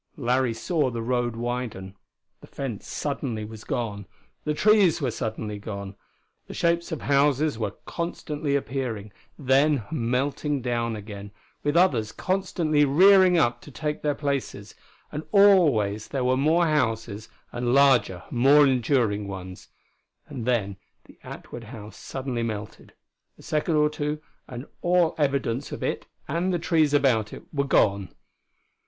Larry saw the road widen. The fence suddenly was gone. The trees were suddenly gone. The shapes of houses were constantly appearing; then melting down again, with others constantly rearing up to take their places; and always there were more houses, and larger, more enduring ones. And then the Atwood house suddenly melted: a second or two, and all evidence of it and the trees about it were gone.